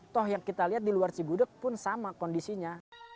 toh yang kita lihat di luar cigudeg pun sama kondisinya